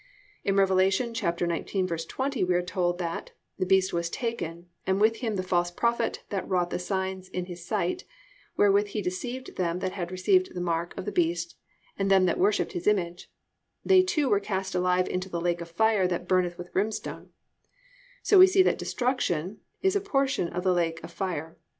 In Rev. 19:20 we are told that +"the beast was taken, and with him the false prophet that wrought the signs in his sight, wherewith he deceived them that had received the mark of the beast and them that worshipped his image: they two were cast alive into the lake of fire that burneth with brimstone,"+ so we see that "destruction" is a portion in the lake of fire.